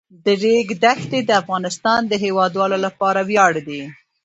د ریګ دښتې د افغانستان د هیوادوالو لپاره ویاړ دی.